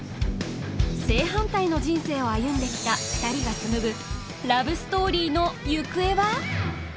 正反対の人生を歩んできた２人が紡ぐラブストーリーの行方は？